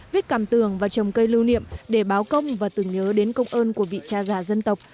viết cảm tưởng và trồng cây lưu niệm để báo công và tưởng nhớ đến công ơn của vị cha già dân tộc